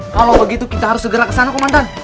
kalau begitu kita harus segera ke sana komandan